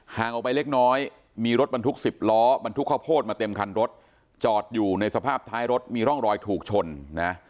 ห่างออกไปเล็กน้อยมีรถบรรทุก๑๐ล้อบรรทุกข้าวโพดมาเต็มคันรถจอดอยู่ในสภาพท้ายรถมีร่องรอยถูกชนนะ